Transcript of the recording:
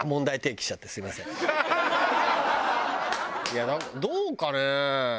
いやどうかね？